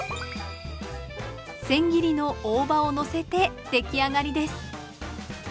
せん切りの大葉を載せて出来上がりです。